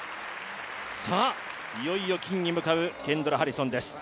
さあ、いよいよ金に向かうケンドラ・ハリソンです。